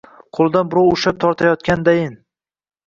Qo‘lidan birov ushlab tortayotgandayin.